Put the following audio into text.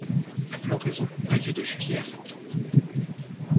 La floraison a lieu de juillet à septembre.